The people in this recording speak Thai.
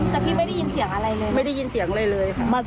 แต่พี่ไม่ได้ยินเสียงอะไรเลยไม่ได้ยินเสียงอะไรเลยค่ะ